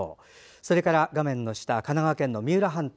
それから神奈川県の三浦半島。